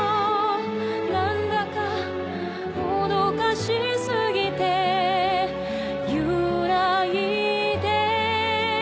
「何だかもどかしすぎて揺らいで」